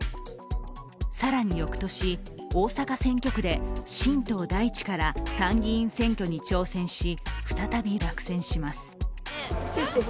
更によくとし、大阪選挙区で新党大地から参議院選挙に挑戦し、再び落選します。